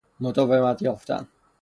مداومت یافتن